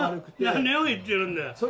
何を言ってるんだよ！